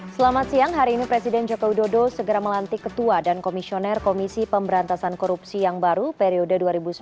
selamat siang hari ini presiden joko widodo segera melantik ketua dan komisioner komisi pemberantasan korupsi yang baru periode dua ribu sembilan belas dua ribu dua